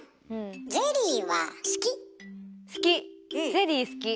ゼリー好き。